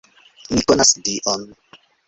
Mi konas Dion!